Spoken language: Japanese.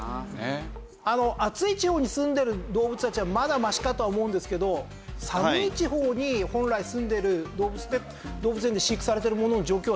暑い地方にすんでる動物たちはまだマシかとは思うんですけど寒い地方に本来すんでいる動物で動物園で飼育されているものの状況はどうですか？